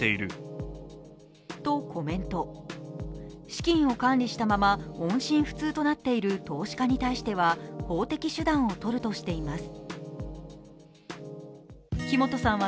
資金を管理したまま音信不通となっている投資家に対しては法的手段をとるとしています。